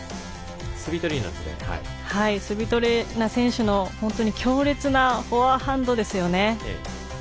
スビトリーナ選手の強烈なフォアハンドですよね。